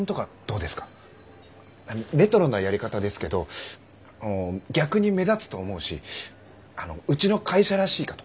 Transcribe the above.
レトロなやり方ですけど逆に目立つと思うしうちの会社らしいかと。